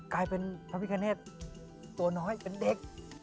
กลายเป็นพระพิคเนตตัวน้อยเป็นเด็ก